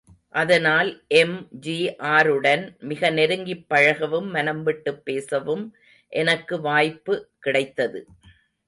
அதனால் எம்.ஜி.ஆருடன் மிக நெருங்கிப் பழகவும் மனம் விட்டுப் பேசவும் எனக்கு வாய்ப்பு கிடைத்தது.